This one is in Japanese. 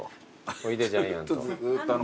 おいでジャイアント。